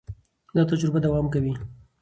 دا تجربه دوام کوي.